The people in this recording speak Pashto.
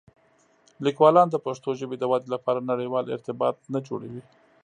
لیکوالان د پښتو ژبې د ودې لپاره نړيوال ارتباطات نه جوړوي.